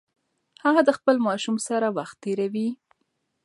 هغه د خپل ماشوم سره وخت تیروي.